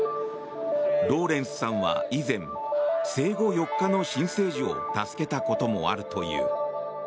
ローレンスさんは以前、生後４日の新生児を助けたこともあるという。